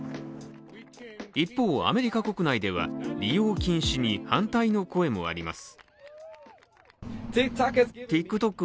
一方、アメリカ国内では利用禁止に反対の声もあります。